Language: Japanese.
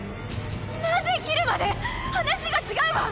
なぜギルまで⁉話が違うわ！